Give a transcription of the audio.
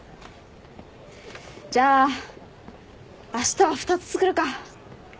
じゃああしたは２つ作るか。